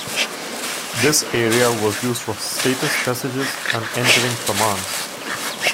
This area was used for status messages and entering commands.